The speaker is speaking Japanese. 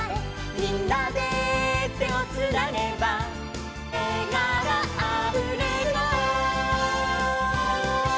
「みんなでてをつなげば」「えがおがあふれるよ」